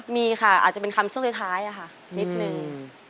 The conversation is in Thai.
มีค่ะอาจจะเป็นคำช่องศุษย์ท้ายนิดหนึ่ง